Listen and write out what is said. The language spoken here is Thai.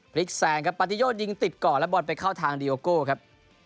แซงครับปาติโยยิงติดก่อนแล้วบอลไปเข้าทางดีโอโก้ครับ